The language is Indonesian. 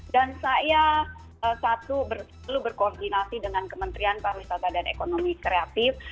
dan saya satu selalu berkoordinasi dengan kementerian pariwisata dan ekonomi kreatif